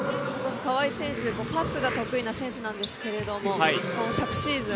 川井選手パスが得意な選手なんですけども昨シーズン